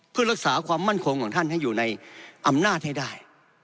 เพื่อรักษาความมั่นคงของท่านให้อยู่ในอำนาจให้ได้